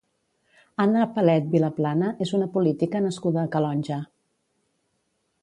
Anna Palet Vilaplana és una política nascuda a Calonge.